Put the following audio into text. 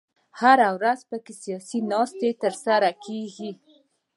هره ورځ په کې سیاسي ناستې تر سره کېږي.